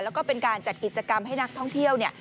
แล้วก็เป็นการจัดกิจกรรมให้นักท่องเที่ยวเนี่ย